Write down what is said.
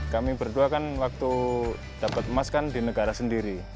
kami berdua kan waktu dapat emas kan di negara sendiri